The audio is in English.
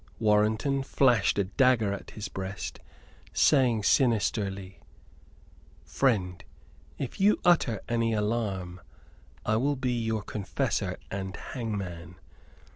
Warrenton flashed a dagger at his breast, saying sinisterly: "Friend, if you utter any alarm I will be your confessor and hangman.